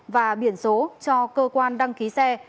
và biển số cho cơ quan đăng ký xe